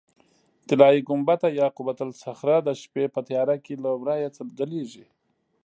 طلایي ګنبده یا قبة الصخره د شپې په تیاره کې له ورایه ځلېږي.